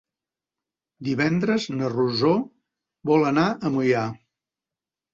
Divendres na Rosó vol anar a Moià.